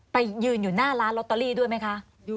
ไปยืนอยู่หน้าร้านลอตเตอรี่ด้วยไหมคะ